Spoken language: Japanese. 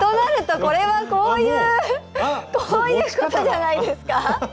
こういうことじゃないですか？